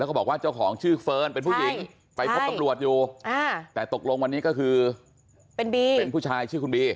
แล้วก็บอกว่าเจ้าของชื่อเฟิร์นเป็นผู้หญิงไปพบตำรวจอยู่แต่ตกลงวันนี้ก็คือเป็นบีเป็นผู้ชายชื่อคุณบี